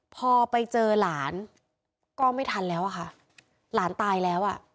พอไปเจอหลานก็ไม่ทันแล้วอะค่ะหลานตายแล้วอ่ะ